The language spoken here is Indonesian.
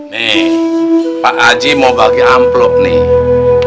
nih pak haji mau bagi amplop nih